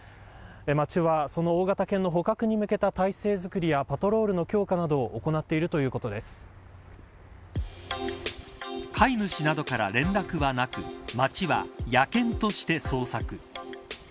町は、その大型犬の捕獲に向けた態勢作りやパトロールの強化などを行っている飼い主などから連絡はなく町は野犬として捜索。